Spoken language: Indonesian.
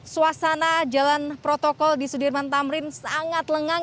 suasana jalan protokol di sudirman tamrin sangat lengang